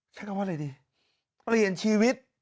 ใช้คำว่าอะไรดีเปลี่ยนชีวิต